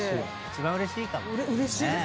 一番うれしいかもね。